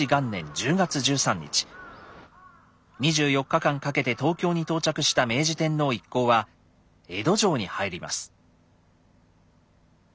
２４日間かけて東京に到着した明治天皇一行は江戸城に入ります。